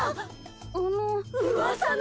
あの。